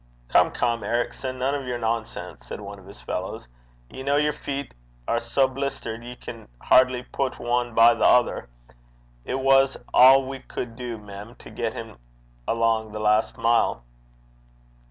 'Come, come, Ericson, none o' your nonsense!' said one of his fellows. 'Ye ken yer feet are sae blistered ye can hardly put ane by the ither. It was a' we cud du, mem, to get him alang the last mile.'